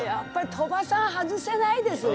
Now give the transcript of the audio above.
鳥羽さん外せないですね。